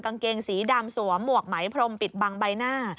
กางเกงสีดำสวมหมวกไหมพรมปิดบังใบหน้า